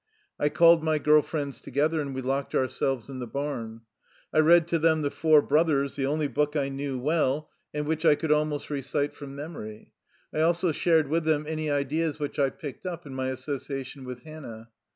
I called my girl friends together and we locked ourselves in the barn. I read to them the " Four Broth ers,'' the only book I knew well, and which I 34 THE LIFE STORY OF A RUSSIAN EXILE could almost recite from memory. I also shared with them any ideas which I picked up in my association with Hannah.